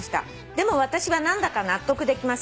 「でも私は何だか納得できません」